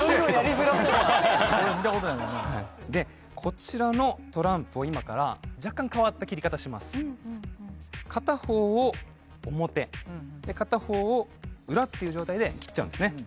づらそうこれ見たことないよねでこちらのトランプを今から若干変わった切り方します片方を表片方を裏っていう状態で切っちゃうんですね